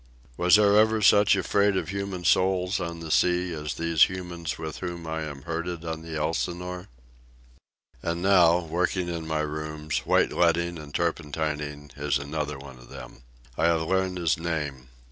Was there ever such a freight of human souls on the sea as these humans with whom I am herded on the Elsinore? And now, working in my rooms, white leading and turpentining, is another one of them. I have learned his name.